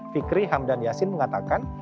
fikri hamdan yassin mengatakan